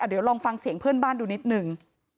เดี๋ยวลองฟังเสียงเพื่อนบ้านดูนิดนึง